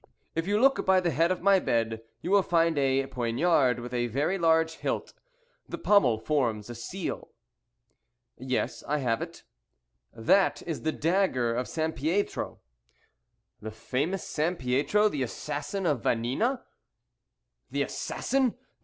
If you look by the head of my bed you will find a poignard with a very large hilt the pommel forms a seal." "Yes, I have it." "That is the dagger of Sampietro." "The famous Sampietro, the assassin of Vanina?" "The assassin!